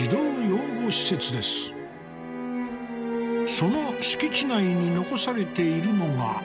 その敷地内に残されているのが。